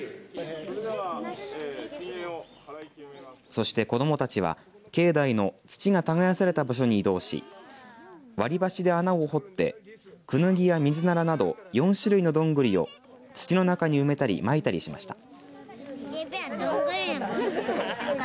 そして子どもたちは境内の土が耕された場所に移動し割り箸で穴を掘ってくぬぎや、みずならなど４種類のどんぐりを土の中に埋めたりまいたりしました。